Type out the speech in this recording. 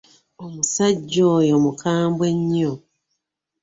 Omusajja oyo mukambwe nnyo.